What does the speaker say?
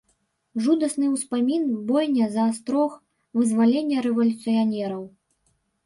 Жудасны ўспамін, бойня за астрог, вызваленне рэвалюцыянераў.